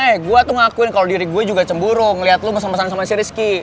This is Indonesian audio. eh gua tuh ngakuin kalo diri gua juga cemburu ngeliat lu sama sama si rizky